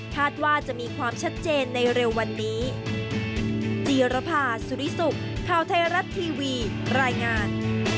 ว่าจะมีความชัดเจนในเร็ววันนี้สุขข่าวไทยรัฐทีวีรายงาน